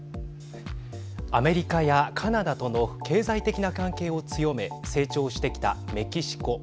アメリカやカナダとの経済的な関係を強め成長してきたメキシコ。